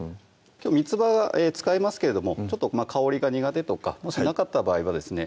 きょうみつばは使いますけれどもちょっと香りが苦手とかもしなかった場合はですね